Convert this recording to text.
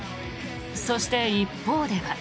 そして、一方では。